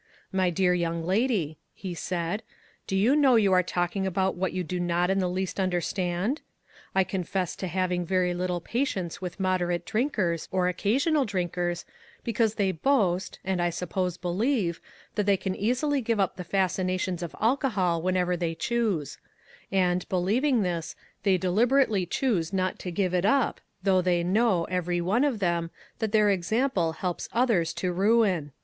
" My dear young lady," he said, " do you know you are talking about what you do LOGIC. not in the least understand ? I confess to having very little patience with moderate drinkers, or occasional drinkers, because they boast — and, I suppose, believe — that they can easily give up the fascinations of alcohol whenever they choose ; and, be lieving this, they deliberately choose not to give it up, though they know, every one of them, that their example helps others to ruin.